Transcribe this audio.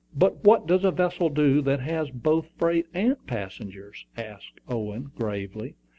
"But what does a vessel do that has both freight and passengers?" asked Owen, gravely.